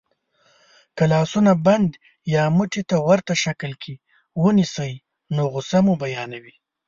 که لاسونه بند یا موټي ته ورته شکل کې ونیسئ نو غسه مو بیانوي.